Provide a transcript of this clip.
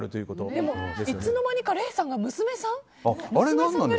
でもいつの間にか礼さんが娘さん？